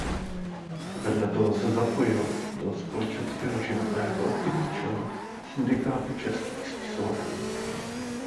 Vedle toho se zapojil do společenského života jako aktivní člen Syndikátu českých spisovatelů.